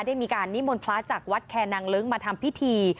ได้มีการนิมนต์พระจากวัดแคนางเลิ้งมาทำพิธี